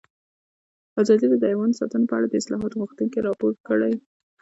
ازادي راډیو د حیوان ساتنه په اړه د اصلاحاتو غوښتنې راپور کړې.